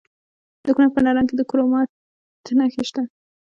د کونړ په نرنګ کې د کرومایټ نښې شته.